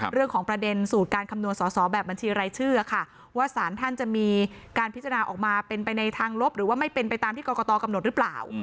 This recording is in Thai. เรื่องของประเด็นสูตรการคำนวณสอสอแบบบัญชีรายชื่อค่ะว่าสารท่านจะมีการพิจารณาออกมาเป็นไปในทางลบหรือว่าไม่เป็นไปตามที่กรกตกำหนดหรือเปล่า